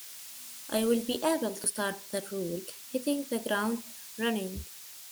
I will be able to start the role hitting the ground running.